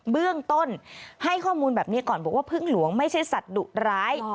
เบื้องต้นให้ข้อมูลแบบนี้ก่อนบอกว่าพึ่งหลวงไม่ใช่สัตว์ดุร้าย